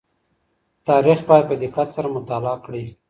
تاريخ بايد په دقت سره مطالعه کړئ.